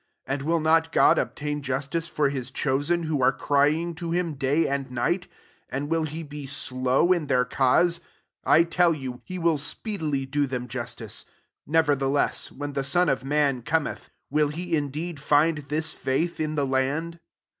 * 7 And will not Grod obtain justice for his cho sen, who are crying to him day and night ? and will he be slow in their cause ? 8 I tell you, he will speedily • do them justice. Nevertheless, when the Son of man cometh, will he indeed find this faith in the land